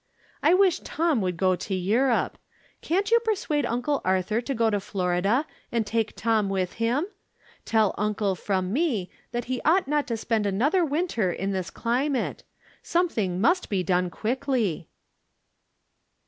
I wish Tom would go to Europe. Can't you persuade Uncle Arthur to go to Florida, and take Tom with him ? Tell Uncle, from me, that he ought not to spend another winter in this cli mate. Something must be done quickly."